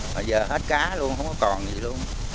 bây giờ hết cá luôn không có còn gì luôn